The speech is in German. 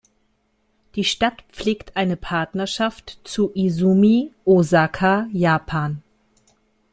Die Stadt pflegt eine Partnerschaft zu Izumi, Osaka, Japan.